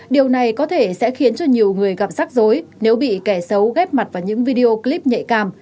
điều này có thể sẽ khiến cho nhiều người gặp rắc rối nếu bị kẻ xấu ghép mặt vào những video clip nhạy cảm